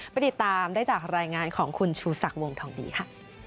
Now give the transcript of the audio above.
ไปติดตามได้จากรายงานของคุณชูศักดิ์วงทองดีค่ะ